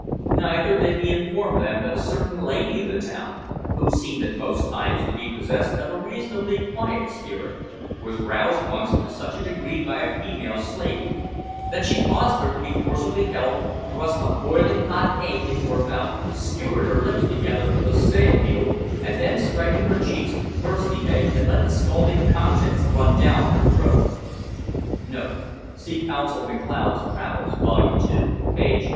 Neither did he inform them that a certain lady in the town, who seemed at most times to be possessed of a reasonably quiet spirit, was roused once to such a degree by a female slave that she caused her to be forcibly held, thrust a boiling hot egg into her mouth, skewered her lips together with a sail needle, and then striking her cheeks, burst the egg, and let the scalding contents run down her throat. [See Consul McLeod's Travels, volume two page 32.